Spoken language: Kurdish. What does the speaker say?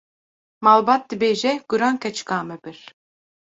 Malbat dibêje: Guran keçika me bir.